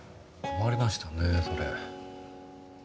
困りましたねそれ。